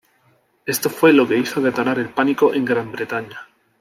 Esto fue lo que hizo detonar el pánico en Gran Bretaña.